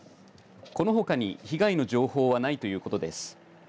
このほかに被害の情報はないということです。